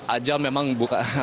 ajal memang buka